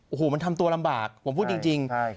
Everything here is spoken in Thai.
โอ้โหมันทำตัวลำบากผมพูดจริง